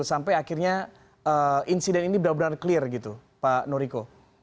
sampai akhirnya insiden ini benar benar clear gitu pak nuriko